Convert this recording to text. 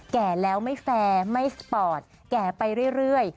แก่แล้วไม่แฟร์ไม่สปอร์ตแก่ไปเรื่อย